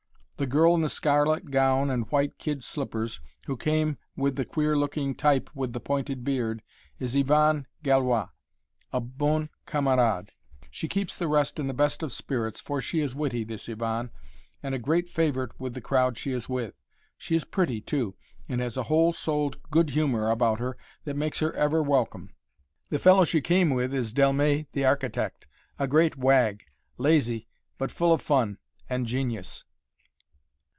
The girl in the scarlet gown and white kid slippers, who came with the queer looking "type" with the pointed beard, is Yvonne Gallois a bonne camarade. She keeps the rest in the best of spirits, for she is witty, this Yvonne, and a great favorite with the crowd she is with. She is pretty, too, and has a whole souled good humor about her that makes her ever welcome. The fellow she came with is Delmet the architect a great wag lazy, but full of fun and genius.